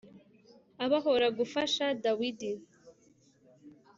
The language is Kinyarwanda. abahora gufasha Dawidi